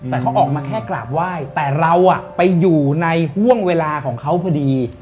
แต่เขาออกมาแค่กราบไหว้แต่เราไปอยู่ในห่วงเวลาของเขาพอดี